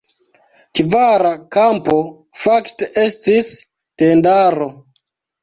Kvara kampo fakte estis tendaro.